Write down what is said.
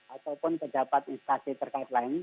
ataupun pejabat instasi terkait lain